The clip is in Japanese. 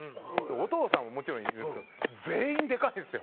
お父さんももちろんいるんですけど全員でかいんですよ。